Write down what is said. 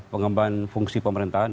pengemban fungsi pemerintahan